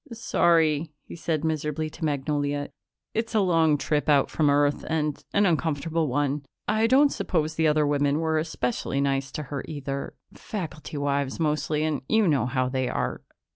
"Sorry," he said miserably to Magnolia. "It's a long trip out from Earth and an uncomfortable one. I don't suppose the other women were especially nice to her, either. Faculty wives mostly and you know how they are....